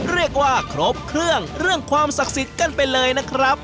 เรียกว่าครบเครื่องเรื่องความศักดิ์สิทธิ์กันไปเลยนะครับ